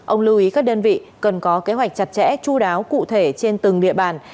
ông lưu ý các đơn vị cần có kế hoạch chặt chẽ chú đáo cụ thể trên từng địa bàn